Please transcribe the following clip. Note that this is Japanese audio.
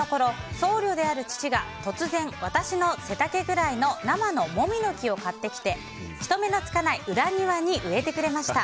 僧侶である父が突然、私の背丈ぐらいの生のモミの木を買ってきて人目のつかない裏庭に植えてくれました。